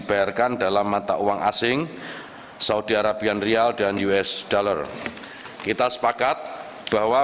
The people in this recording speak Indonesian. pertama bpih tahun dua ribu empat belas dua ribu lima belas